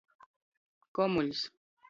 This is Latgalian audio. Komuļs.